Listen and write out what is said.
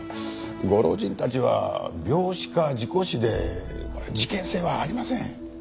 ご老人たちは病死か事故死でこれは事件性はありません。